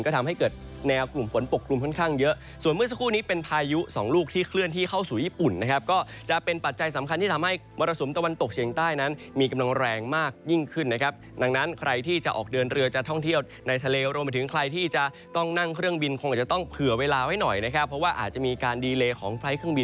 ก็ทำให้เกิดแนวกลุ่มฝนปกกลุ่มค่อนข้างเยอะส่วนเมื่อสักครู่นี้เป็นพายุสองลูกที่เคลื่อนที่เข้าสู่ญี่ปุ่นนะครับ